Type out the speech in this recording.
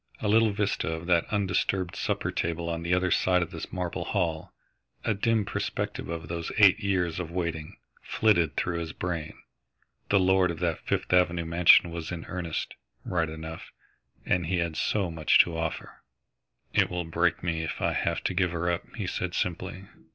A little vista of that undisturbed supper table on the other side of the marble hall, a dim perspective of those eight years of waiting, flitted through his brain. The lord of that Fifth Avenue Mansion was in earnest, right enough, and he had so much to offer. "It will break me if I have to give her up," he said simply.